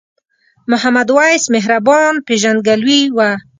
محمد وېس مهربان پیژندګلوي وه.